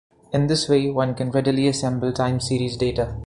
In this way, one can readily assemble time series data.